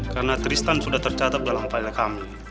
karena tristan sudah tercatat dalam file kami